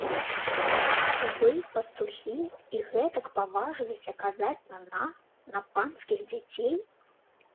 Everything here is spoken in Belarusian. Вы пастухі і гэтак паважыліся казаць на нас, на панскіх дзяцей!?